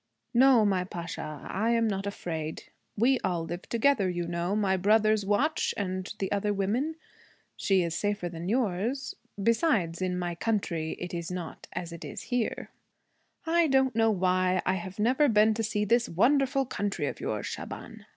'No, my Pasha. I am not afraid. We all live together, you know. My brothers watch, and the other women. She is safer than yours. Besides, in my country it is not as it is here.' 'I don't know why I have never been to see this wonderful country of yours, Shaban.